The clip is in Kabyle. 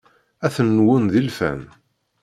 Ad ten-nwun d ilfan.